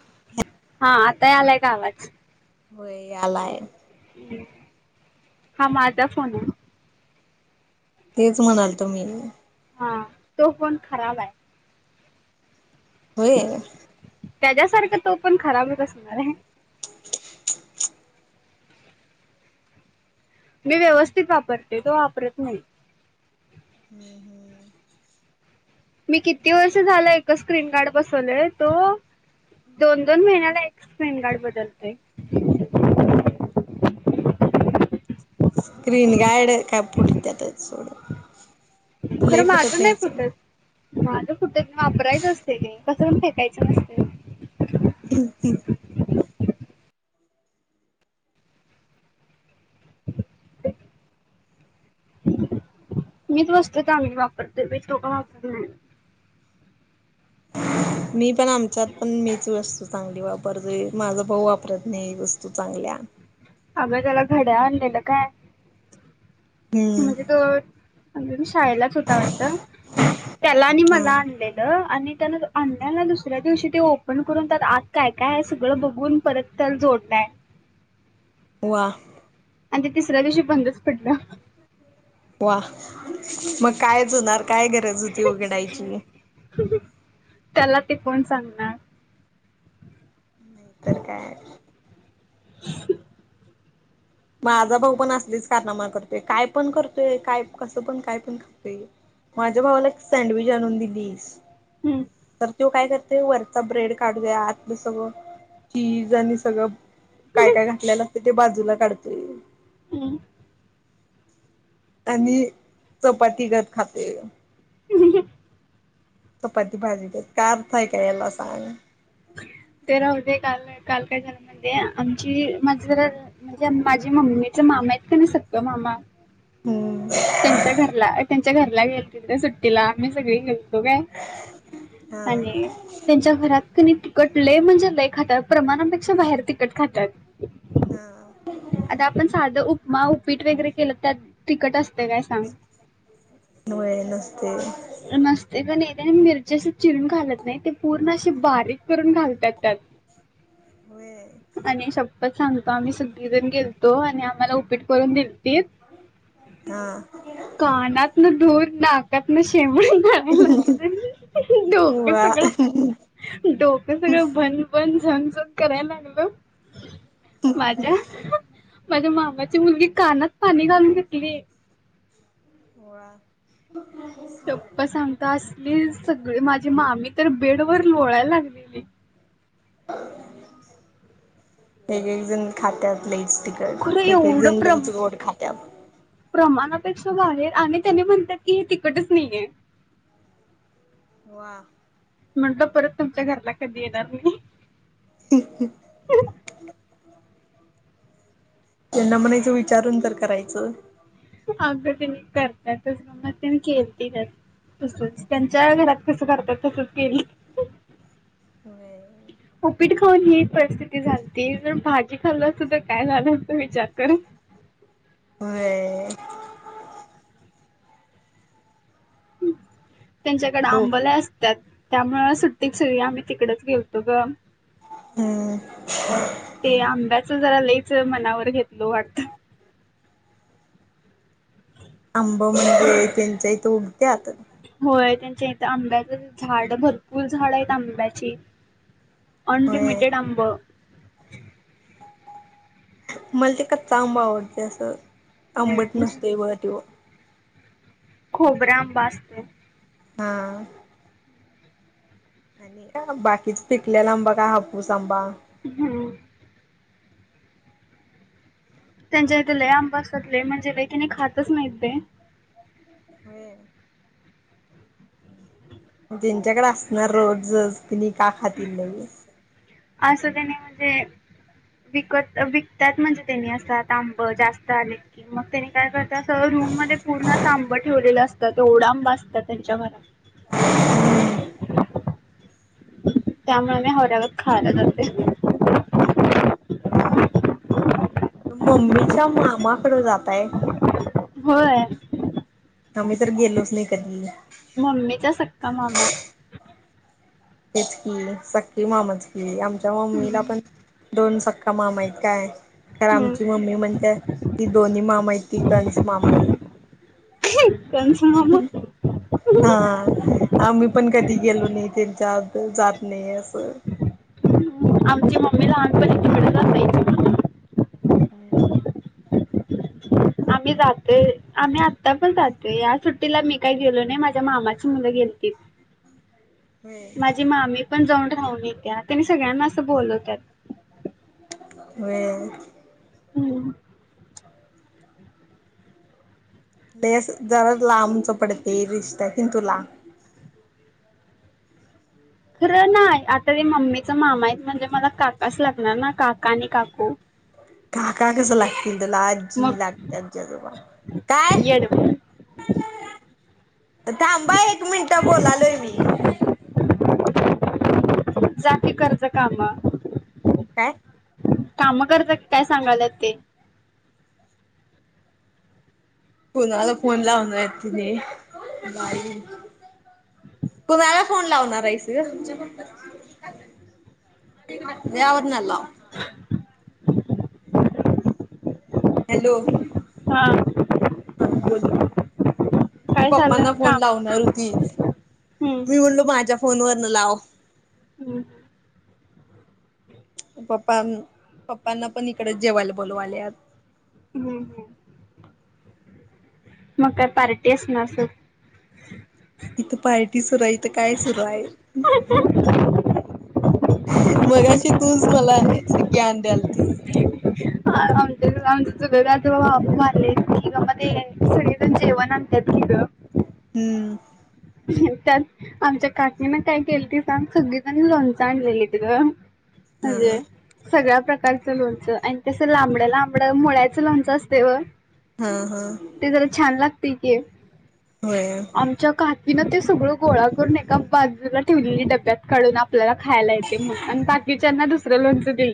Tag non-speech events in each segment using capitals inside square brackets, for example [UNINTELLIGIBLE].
[INAUDIBLE] हा आता यालाय का आवाज? होय यायलाय. हा माझा फोन आहे. तेच म्हणालत मी. हा तो पण खराब आहे. होय. त्याच्यासारखं तो पण खराबच असणार आहे. [INAUDIBLE] मी व्यवस्थित वापरते तो वापरत नाही. हम्म हम्! मी किती वर्ष झालं एकच स्क्रीनगार्ड बसवलंय तो दोन दोन महिन्याला एक स्क्रिनगार्ड बदलतोय. स्क्रीन गार्ड काय पुटत्यातच सोडं. खरं माझं नाही फुटत माझं फुटत वापरायचं असते कसं फेकायचं नसते. हम् हम्! मीच वस्तू चांगली वापरतोय तो काय वापरत नाही. [INAUDIBLE] मी पण आमच्यात पण मीच वस्तू चांगली वापरतो, माझ भाऊ वापरत नाही वस्तू चांगल्या. अगं त्याला घड्याळ आणलेलं काय हम्म म्हणजे तो म्हणजे मी शाळेलाच होत. वाटत त्याला आणि हा मला आणलेलं आणि त्यानं अनल्याला दुसऱ्या दिवशी ते ओपन करून त्यात आत काय काय आहे सगळं बघून परत त्याला जोडलाय. वाह! आणि ते तिसऱ्या दिवशी बंदच पडलं. वा मग काय होणार काय गरज होती उघडायची. त्याला ते कोण सांगणार. नाही तर काय. [INAUDIBLE] माझा भाऊ पण असलीच कारनामा करतोय काय पण करतोय काय कसं पण काय पण खातोय. माझ्या भावाला एक सँडविच आणून दिलीस. हम्म! तर तो काय करते वरचा ब्रेड काढतोय आतलं सगळं चीज आणि सगळं काय काय हम्म. घातलेला असतं ते बाजूला काढत‌. हम्म! आणि चपाती गत खातय. [INAUDIBLE] चपाती भाजी काय अर्थ आहे का याला सांग. ते राहुदे काल कालकाय झालं माहितीए आमची माझ जरा म्हणजे माझी मम्मीच मामा आहेत कनी सख्ख मामा. हम्म त्यांच्या घरला त्यांच्या घरला गेतील त्या सुट्टीला आम्ही सगळी गेलतो काय. हा आणि त्यांच्या घरात कनी कट लई म्हणजे लई खातात प्रमाणापेक्षा बाहेर तिकट खातात. हा आता आपण साधं उपमा उपीट वगैरे केलं तर तिखट असते काय सांग? होय नसतय. नस्त कनी मिरची असं चिरून घालत नाही ते पूर्ण असे बारीक करून घालतात त्यात‌ हम! आणि शपथ सांगतो आम्ही सगळीजण गेलतो आणि आम्हाला उपीट करून दिलतीत, हा कानातन दुर, नाकातन [UNINTELLIGIBLE] डोकं वा सगळं, डोकं सगळं भन भन, झण झण करायला लागल, माझ्या माझ्या मामाची मुलगी, कानात पाणी घालून घेतलीये. वा. [INAUDIBLE] पप्पा सांगता असली सगळी माझी मामी, तर बेडवर लोळायला लागलेली. एक एक जन खात्यात लईच खरं तिखट, एक एक एवढं जण प्रम लईच गोड खात्यात. प्रमाणापेक्षा बाहेर आणि त्यानी म्हणतात की, हे तिखटच नहीये. वा. म्हंटलं परत तुमच्या घरला कधी येणार नही. हं ह्म. त्यांना म्हणायचं, विचारून तर करायचं. आग त्यांनी करतात तस मम्म [UNINTELLIGIBLE] त्यांनी खेळती ना. तेच तेच त्यांच्या घरात कसं करत्यात, तसं केलं. होय उपीट खाऊन, ही परिस्थि ती झालती ज भाजी खाल्लं असतं, तर काय झाल असत विचार कर. व्हय. त्यांच्याकड डोक आंब लय असत्यात, त्यामुळे सुट्टीत सगळी आम्ही तिकडच गेलतो ग. हम्म. ते आंब्याच जरा लईच मनावर घेतल वाटतं. आबं, म्हणजे त्यांंच्या इथ उगत्यात. होय त्यांच्या इथ आंब्याच, झाड भरपूर झाड आहेत आंब्याचे. होय अनलिमिटड आंब. मला ते कच्चा आंबा आवडतोय असं, आंबट नसतोय बघा तो. खोबऱ्या आंबा, असतोय. हां. आणि का बाकीच पिकलेला आंबा का हापूस आंबा? हम्म. त्यांच्या इथे लय आंब असतात, लई म्हणजे किने खातच नाही ते. होय. त्यांच्याकड असणार रोजच, तिने का खातील नही. असं काही नहीं, म्हणजे विकत विकत्यात म्हणजे त्यांनी अस, आता आंब जास्त आलेत की, मग त्यानी काय कर त्यासह रूम मध्ये पूर्णच आंब ठेवलेलं असतं, ते एवढांब असतात त्यांच्या घरात. त्यामुळे मी हावऱ्यागत खायला जाते. हां, मम्मीच्या मामाकड जाताय. होय. आम्ही तर गेलोच, नही कधी. मम्मीचा सक्का मामा. हेच की, सक्के मामच की, आमच्या मम्मीला पण दोन सक्का मामा हाय त काय? कारन आमची मम्मी म्हणत्या, ती दोन्ही मामा येत ती कंस मामा ये. कंच आ आम्ही पण कधी गेलो नायं त्यांच्या आत जात नायं असं. माझी लहानपणीची काय नाय आम्ही जातोय आम्ही आत्ता पण जातोय या सुट्टीला मी कायं गेलो नायं माझ्या मामाची मुलं गेलती. [UNINTELLIGIBLE] माझी मामी पण जाऊन राहून येत्या त्यांनी सगळ्यांना असं बोलवत्यात. व्हय. हम्म लय अस जरा लांबचं पडते रिश्ता तीन तुला खरं नायं आता ते मम्मीच मामा आहेत म्हणजे मला काकाच लागणार ना काका आणि काकू काका कसं लागतील तुला आजी मग लागते आजी आजोबा काय? येड थांबा एक मिनिटं बोलालोय मी जा की कर जा काम काय? काम कर जा की काय सांगायलत ते कुणाला फोन लावणार येत तिने बाई कुणाला फोन लावणार हाईस की ग म्या वरणा लाव. [INAUDIBLE] हॅलो हा हा बोल ती काय पप्पांना झालं फोन काम लावणार होती. हम्म मी बोललो माझ्या फोनवरन लाव हम् पप्पां पप्पांना पण इकडे जेवाला बोलवालेत. हूं हूं म काय पार्टी असणार सोड इथं पार्टी सुरू हाय. इथं काय सुरू आयं [UNINTELLIGIBLE] मगाशी तूच मला ग्यान द्यालती. आम आमचं [UNINTELLIGIBLE] मध्ये सगळेजण जेवण आणत्यात तिद हम्म त्यात आमच्या काकीन काय केलंती सांग सगळीजणी लोंणच आणलेलीत ग हा [UNINTELLIGIBLE] सगळ्या प्रकारचं लोणचं आणि तस लांबड लांबडं मुळ्याचं लोणचं असते बघ ह ह ते जरा छान लागतयं की, होयं. आमच्या काकीनं ते सगळं गोळा करून एका बाजूला ठेवलेली डब्यात. काडून आपल्याला खायला येतयं म्हणून बाकीच्यांना दुसरं लोणचं देई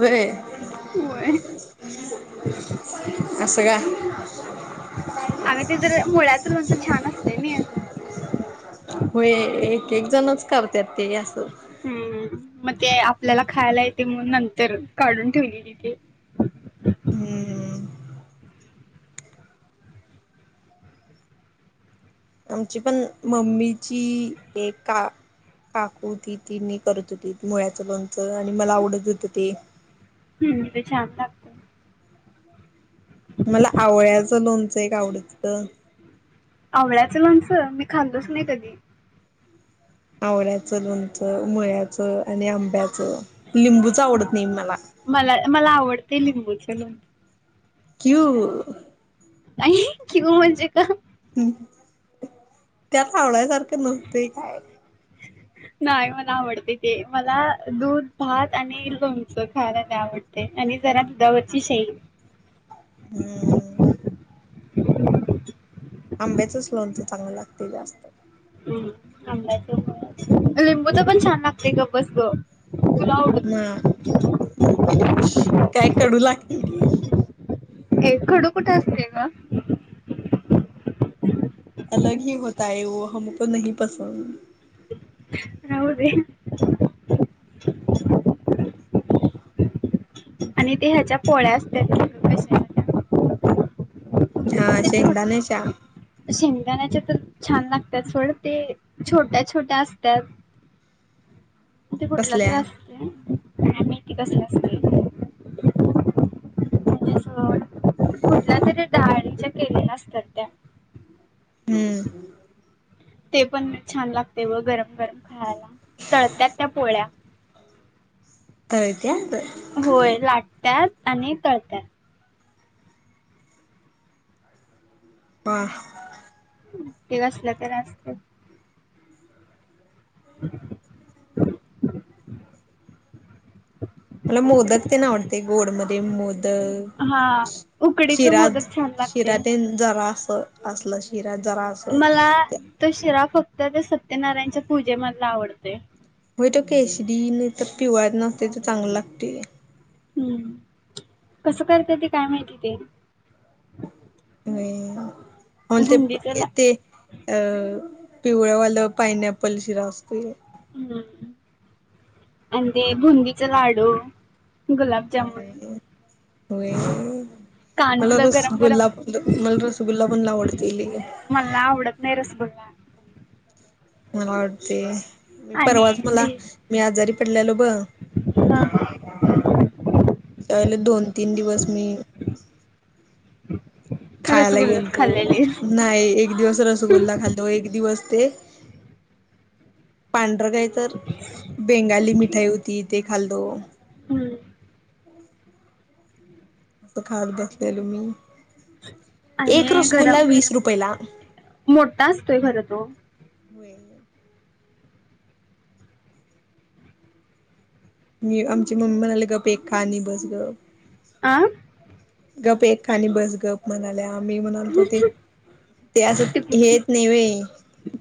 व्हय होय. अस का? अग ते जर मुळ्याच लोणच छान असतयं मॅ व्हय एक एक जणच करतत ते अस. हम्म मग ते आपल्याला खायला येते म्हणून नंतर काढून ठेवले तिथे. हम्म आमची पण मम्मीची एका काकूती ती मी करत होती मुळ्याच लोणच. आणि मला आवडत होत ते. हम्म ते छान लागत. [INAUDIBLE] मला आवळ्याच लोनच एक आवडत. आवळ्याच लणच मी खाल्लच नाही कधी. आवळ्याच लोणच, मुळ्याच आणि आंब्याच, लिंबूच हा आवडत नाही मला. मला मला आवडते लिंबूच लोणच. क्यु आणि क्यु म्हणजे ग. हम्म त्याला आवडायसारख नव्हतय काय. नाही मला आवडते ते. मला दूध भात आणि लोणच खायला लय आवडत. आणि जरा दुधावरची शाई. हम्म आंब्याचच लोनच चांगल लागत जास्त. हम्म आंब्याच पण लिंबू पण छान लागते गप बस ग. तुला आवडत हा नाही. काय कडू लागतय ते. ये कडू कुठे असतेय ग. अलग ही होताय है वह हमको नही पसंद. राहू दे. [INAUDIBLE] आणि ते ह्याच्या पोळ्या असत्यात हा शेंगदाणेच्या शेंगदाण्याचे तर छान लागतात सोड ते. छोट्या छोट्या असतात. [INAUDIBLE] ते कुठल कसल्या तरी असत मी ते कसल अस [UNINTELLIGIBLE] कुठल्या तरी डाळीच्या केलेल्या असतात त्या. हम्म ते पण छान लागते बघ गरम गरम खायला. तळत्यात त्या पोळ्या. तळत्यात पोळ्या लाटत्यात आणि तळत्याात. पा ते नसल्या तर असत्यात. [INAUDIBLE] मला मोदक ते न आवडते. गोड मध्ये मोदक हा उकडीच शिराज मोदक छान लागते शिरातेन जरा अस असला शिरा जरा मला असं तो शिरा फक्त त्या सत्यनारायणच्या पूजेमधला आवडतोय. व्हय तो केसरी नाही तर पिवळा नसते तर चांगल लागतेय. हम्म कस करत्या ते काय माहिती ते. व्हय ऑल ते बुंदीच ला ते अ पिवळ्यावालं पायनॅपल शिरा असतोय. हम्! आणि ते बुंदीचा लाडू होय, गुलाबजामुन, होय. मला कानूला रस गरम गरम गुलाब मला रस गुल्ला पण लई आवडतय लई. मला आवडत नाही रसगुल्ला. मला आवडतय, परवाच आणि मला ते मी आजारी पडलेलो ब हा त्यावेळेला दोन तीन दिवस मी खायला रसगुल्लाच गेलतो, खाल्लेले नाही एक दिवस रसगुल्ला, खाल्तो एक दिवस ते पांढरं काय तर, बेंगाली मिठाई होती, ते खाल्तो हम्म. असं खात बसलेलो मी. एक आणि गरम, रसगुल्ला वीस रुपयला. मोठा असतोय खर तो. होय. मी आमची मम्मी म्हणाली गप एक खा, आणि बस गप्प. आं गप एक खा, आणि बस गप म्हणाल्या. म मी म्हणालतो ते, ते असं हेे येत नाही होय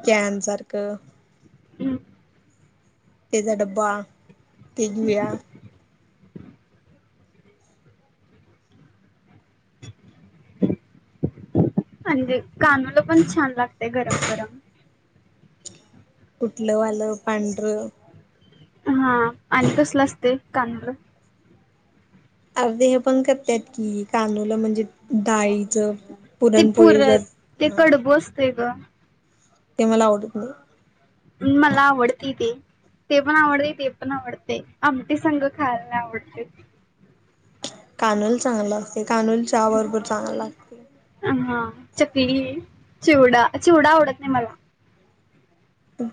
कॅनसारखं हम्. तेझा ड्बा, ते घेऊया. म्हणजे कानूल पण छान लागतय, गरम गरम. कुठलं वालं, पांढरं? हा, आणि कसलं असतय कानूल? अर्धे हे पण करत्यात की, कानूल म्हणजे, डाळीच. ते पुरन, ते कडबु असतेय ग. ते मला आवडत नाही. मला आवडतय ते. ते पण आवडतय, ते पण आवडतय, आमटी संघ खायला आवडतय. कानूल चांगल लागतय, कानूल चहा बरोबर चांगल लागतय. हा, चकली, चिवडा, चिवडा आवडत नाही मला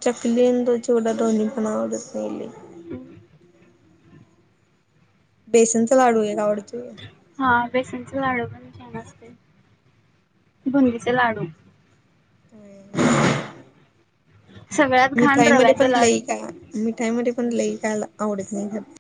चकली आणि चिवडा, दोन्ही पण आवडत नाही लई. हम्. बेसनचा लाडू एक आवडतोय. हा, बेसनच लाडू पण छान असतय, बंदीच लाडू हम. सगळ्यात घाण मिठाईमध्ये रव्याचा पण लाडू. लई काय, मिठाईमध्ये पण लई काय आवडत नाही खर.